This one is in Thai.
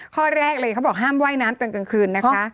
ข้อแรกเลยเขาบอกห้ามว่ายน้ำตอนกลางคืนนะคะ